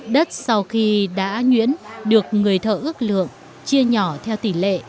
đất sau khi đã nhuyễn được người thợ ước lượng chia nhỏ theo tỷ lệ